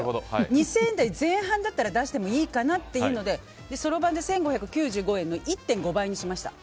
２０００円台前半だったら出してもいいかなっていうのでそろばんで１５９５円の１．５倍にしました。